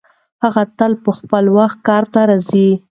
هغه تل په خپل وخت کار ته راځي.